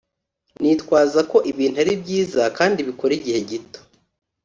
nitwaza ko ibintu ari byiza, kandi bikora igihe gito.